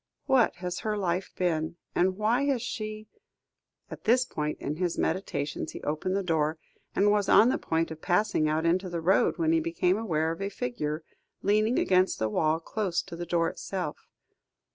What has her life been? And why has she " At this point in his meditations he opened the door, and was on the point of passing out into the road, when he became aware of a figure, leaning against the wall close to the door itself.